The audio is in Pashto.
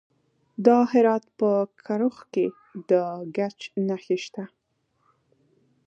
د هرات په کرخ کې د ګچ نښې شته.